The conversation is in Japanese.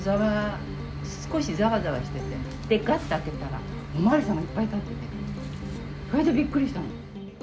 少しざわざわしてて、がって開けたら、お巡りさんがいっぱい立ってて、それでびっくりしたの。